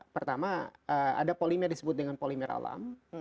pertama ada polimer disebut dengan polimer alam